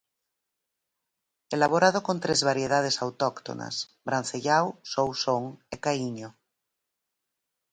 Elaborado con tres variedades autóctonas: brancellao, sousón e caíño.